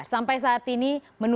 sampai saat ini